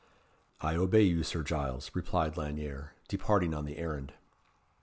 "I obey you, Sir Giles," replied Lanyere, departing on the errand.